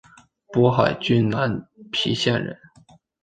勃海郡南皮县人。